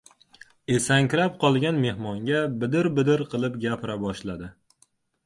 Esankirab qolgan mehmonga bidir-bidir qilib gapira boshladi: